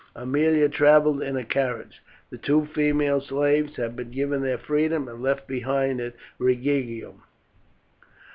Aemilia travelled in a carriage; the two female slaves had been given their freedom and left behind at Rhegium.